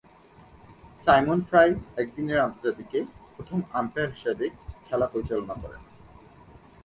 Simon Fry একদিনের আন্তর্জাতিকে প্রথম আম্পায়ার হিসেবে খেলা পরিচালনা করেন।